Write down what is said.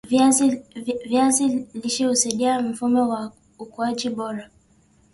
viazi lishe husaidia mfumo wa ukuaji bora